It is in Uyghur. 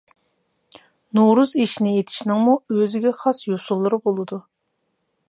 نورۇز ئېشىنى ئېتىشنىڭمۇ ئۆزىگە خاس يۈسۈنلىرى بولىدۇ.